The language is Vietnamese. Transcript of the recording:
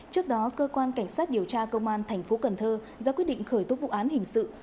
cơ quan cảnh sát điều tra công an tp cần thơ đã quyết định khởi tố vụ án hình sự